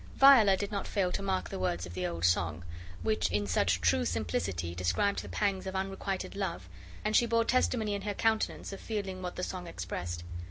Viola did not fail to mark the words of the old song, which in such true simplicity described the pangs of unrequited love, and she bore testimony in her countenance of feeling what the song expressed.